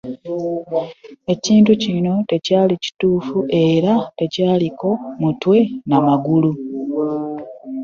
Ekintu kino tekyali kituufu era nga tekiriiko Mutwe na magulu